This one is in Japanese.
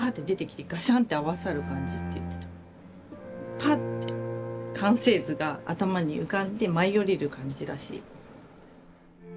パッて完成図が頭に浮かんで舞い降りる感じらしい。